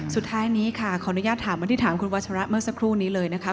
สุดท้ายนี้ค่ะขออนุญาตถามเหมือนที่ถามคุณวัชระเมื่อสักครู่นี้เลยนะคะ